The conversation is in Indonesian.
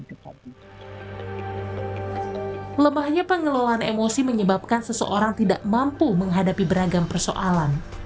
melemahnya pengelolaan emosi menyebabkan seseorang tidak mampu menghadapi beragam persoalan